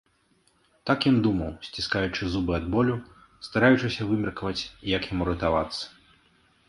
Так ён думаў, сціскаючы зубы ад болю, стараючыся вымеркаваць, як яму ратавацца.